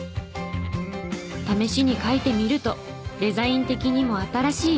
試しに書いてみるとデザイン的にも新しい。